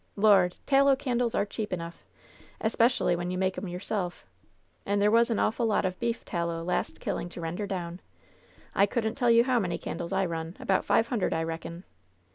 Lord ! tallow candles are cheap enough, 'specially when you make 'em yourself. And there was an awful lot of beef tallow last killing to render down. I couldn't tell you how many candles I run — about five hundred, I reckon